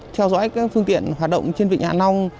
theo dõi các phương tiện hoạt động trên vịnh hạ long